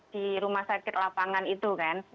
di rumah sakit lapangan itu kan